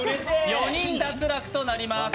４人脱落となります。